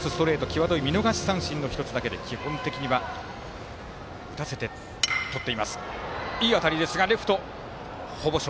際どい見逃し三振の１つだけで基本的には打たせてとっています。